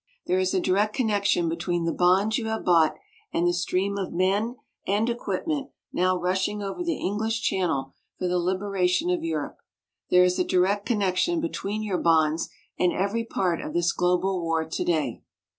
There is a direct connection between the bonds you have bought and the stream of men and equipment now rushing over the English Channel for the liberation of Europe. There is a direct connection between your bonds and every part of this global war today.